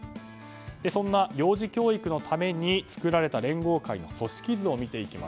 そんな幼児教育のために作られた連合会の組織図です。